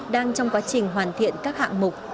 đang trong quá trình hoàn thiện các hạng mục